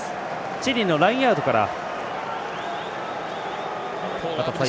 チリのラインアウトから。